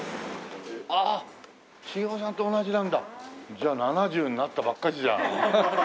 じゃあ７０になったばっかしだ。